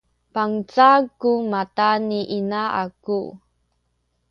bangcal ku mata ni ina aku